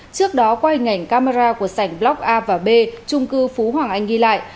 trước đó qua hình ảnh camera của sảnh block a và b trung cư phú hoàng anh ghi lại